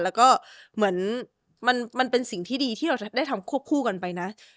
แล้วก็เหมือนมันเป็นสิ่งที่ดีที่เราได้ทำควบคู่กันไปนะ